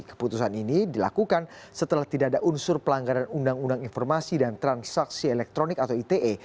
keputusan ini dilakukan setelah tidak ada unsur pelanggaran undang undang informasi dan transaksi elektronik atau ite